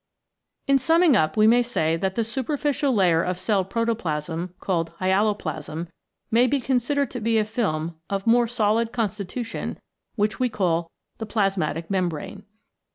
In summing up we may say that the super ficial layer of cell protoplasm, called hyaloplasm, may be considered to be a film of more solid con stitution which we call the plasmatic membrane.